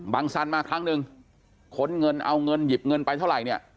สันมาครั้งหนึ่งค้นเงินเอาเงินหยิบเงินไปเท่าไหร่เนี่ย